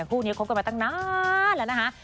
คู่นี้คบกันมาตั้งนานแล้วนะคะ